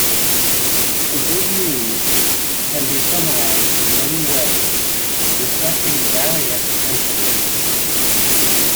The good news can be summarized in many ways, reflecting various emphases.